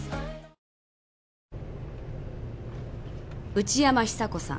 内山久子さん。